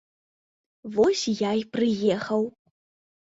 Вось я й прыехаў.